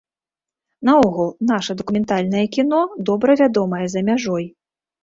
Наогул, наша дакументальнае кіно добра вядомае за мяжой.